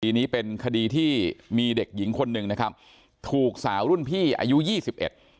นี้เป็นคดีที่มีเด็กหญิงคนหนึ่งนะครับถูกสาวรุ่นพี่อายุยี่สิบเอ็ด